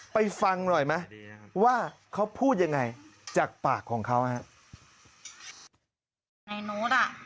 ฟังหน่อยไหมว่าเขาพูดยังไงจากปากของเขาฮะ